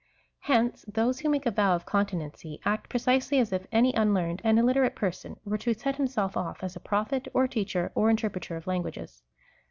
Hence those who make a vow of continency, act precisely as if any unlearned and illiterate person were to set himself off as a prophet, or teacher, or interpreter of lan guages.